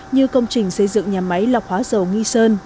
như công trình xây dựng nhà máy lọc hóa dầu nghi sơn